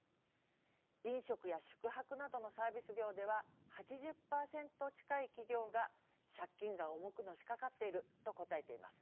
飲食や宿泊などのサービス業では８０％近い企業が借金が重くのしかかっていると答えています。